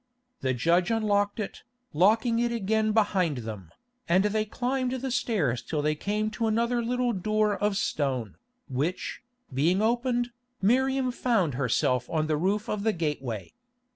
The judge unlocked it, locking it again behind them, and they climbed the stairs till they came to another little door of stone, which, being opened, Miriam found herself on the roof of the gateway.